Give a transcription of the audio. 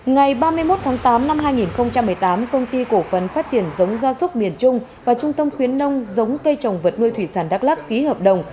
ngày ba mươi một tháng tám năm hai nghìn một mươi tám công ty cổ phần phát triển giống gia súc miền trung và trung tâm khuyến nông giống cây trồng vật nuôi thủy sản đắk lắc ký hợp đồng